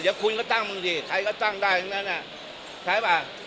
เดี๋ยวคุณก็ตั้งมึงสิใครก็ตั้งได้ทั้งนั้นใช่ป่ะ